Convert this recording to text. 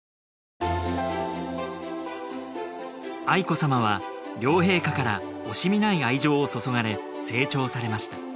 愛子さまは両陛下から惜しみない愛情を注がれ成長されました